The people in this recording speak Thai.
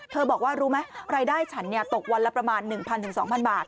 บอกว่ารู้ไหมรายได้ฉันตกวันละประมาณ๑๐๐๒๐๐บาท